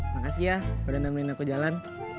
makasih ya udah nemenin aku jalan